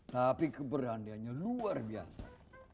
tapi keberaniannya luar biasa